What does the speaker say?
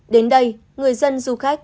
đến đây người dân du khách